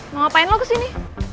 mau ngapain lo kesini